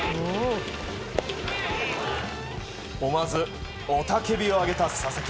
思わず雄たけびを上げた佐々木。